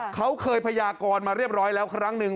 เขาเคยพยากรมาเรียบร้อยแล้วครั้งหนึ่ง